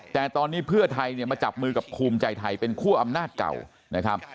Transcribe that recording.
แต่ตอนนี้เพื่อไทยเนี่ยมาจับมือกับภูมิใจไทยเป็นคั่วอำนาจเก่านะครับ